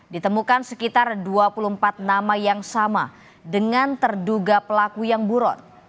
ditemukan sekitar dua puluh empat nama yang sama dengan terduga pelaku yang buron